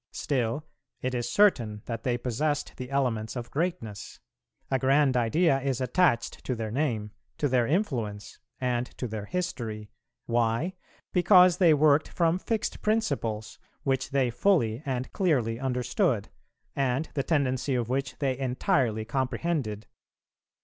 Still it is certain that they possessed the elements of greatness; a grand idea is attached to their name, to their influence, and to their history. Why? because they worked from fixed principles, which they fully and clearly understood, and the tendency of which they entirely comprehended.